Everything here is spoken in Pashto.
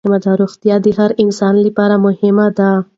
روغتیا د هر انسان لپاره مهمه ده